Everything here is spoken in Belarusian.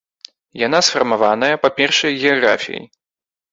Яна сфармаваная, па-першае, геаграфіяй.